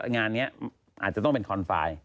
งานนี้อาจจะต้องเป็นคอนไฟล์